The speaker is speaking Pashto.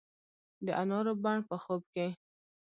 د انارو بڼ په خوب کې